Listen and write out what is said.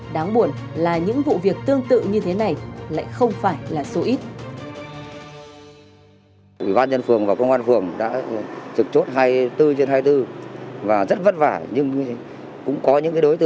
đáng buồn là những vụ việc tương tự như thế này lại không phải là số ít